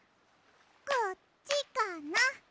こっちかな？